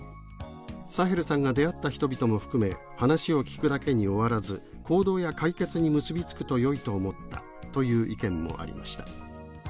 サヘルさんが出会った人々も含め話を聞くだけに終わらず行動や解決に結び付くとよいと思った」という意見もありました。